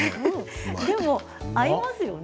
でも、合いますよね。